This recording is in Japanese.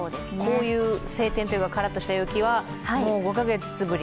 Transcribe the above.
こういう晴天というかカラッとした陽気は５か月ぶり？